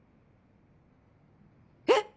えっ！？